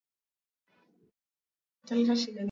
Njia za kukabiliana na ugonjwa wa ukurutu